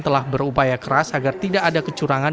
telah berupaya keras agar tidak ada kecurangan